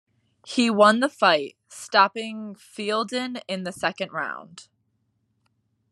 He won the fight, stopping Fielden in the second round.